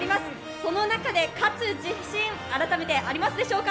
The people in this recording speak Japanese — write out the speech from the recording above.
その中で勝つ自信、改めてありますでしょうか。